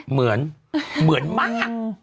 เหมือนเหมือนมาก